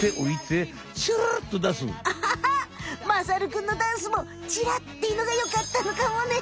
アハハまさるくんのダンスもチラッていうのがよかったのかもね！